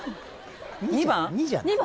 ２番？